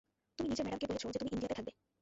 তুমি নিজের ম্যাডামকে বলেছ যে তুমি ইন্ডিয়াতে থাকবে।